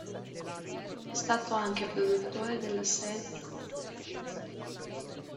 È stato anche produttore della serie "Cold Case".